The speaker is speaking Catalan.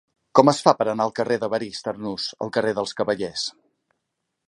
Com es fa per anar del carrer d'Evarist Arnús al carrer dels Cavallers?